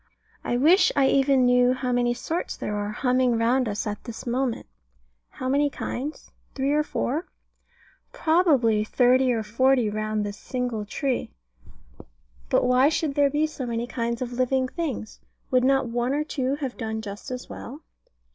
I wish I even knew how many sorts there are humming round us at this moment. How many kinds? Three or four? More probably thirty or forty round this single tree. But why should there be so many kinds of living things? Would not one or two have done just as well?